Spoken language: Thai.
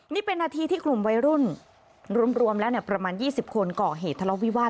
นี่เป็นนาทีที่กลุ่มวัยรุ่นรวมแล้วประมาณ๒๐คนก่อเหตุทะเลาะวิวาส